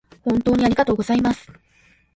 本当にありがとうございます